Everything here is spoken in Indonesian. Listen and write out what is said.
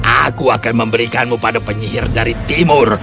aku akan memberikanmu pada penyihir dari timur